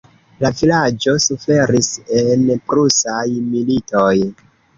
La vilaĝo suferis en Prusaj militoj.